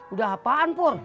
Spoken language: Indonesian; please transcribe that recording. udah apaan pur